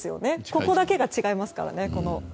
ここだけが違いますから。